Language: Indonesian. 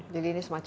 jadi ini semacam csi